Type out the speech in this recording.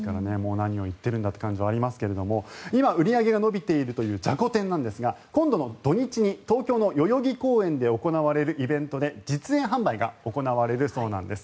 何を言ってるんだという感じはありますが今、売り上げが伸びているというじゃこ天なんですが今度の土日に東京の代々木公園で行われるイベントで実演販売が行われるそうなんです。